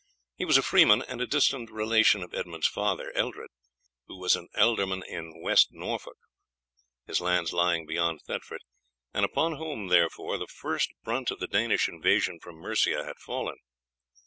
He was a freeman, and a distant relation of Edmund's father, Eldred, who was an ealdorman in West Norfolk, his lands lying beyond Thetford, and upon whom, therefore, the first brunt of the Danish invasion from Mercia had fallen.